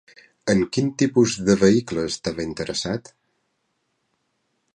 En quin tipus de vehicle estava interessat?